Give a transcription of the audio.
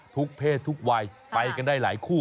เพศทุกวัยไปกันได้หลายคู่